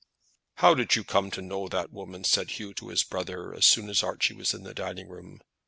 "How did you come to know that woman?" said Hugh to his brother, as soon as Archie was in the dining room.